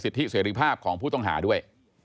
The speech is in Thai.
ที่เสรีภาพของผู้ต้องหาด้วย